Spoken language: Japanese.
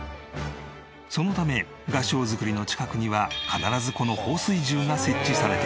そのため合掌造りの近くには必ずこの放水銃が設置されている。